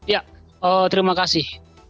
ya terima kasih